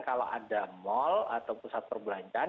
kalau ada mal atau pusat perbelanjaan